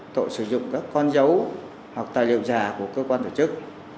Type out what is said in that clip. tội sử dụng các con dấu hoặc tài liệu giả của cơ quan tổ chức